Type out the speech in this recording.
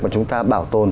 mà chúng ta bảo tồn